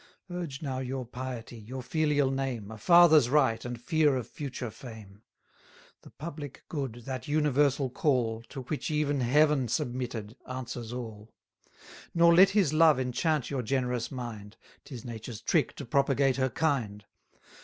Urge now your piety, your filial name, A father's right, and fear of future fame; 420 The public good, that universal call, To which even Heaven submitted, answers all. Nor let his love enchant your generous mind; 'Tis nature's trick to propagate her kind.